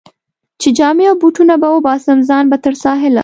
چې جامې او بوټونه به وباسم، ځان به تر ساحله.